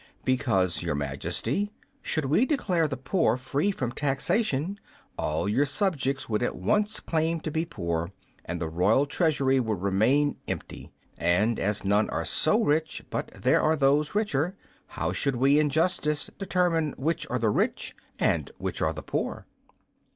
"Because, Your Majesty, should we declare the poor free from taxation all your subjects would at once claim to be poor, and the royal treasury would remain empty. And as none are so rich but there are those richer, how should we, in justice, determine which are the rich and which are the poor?"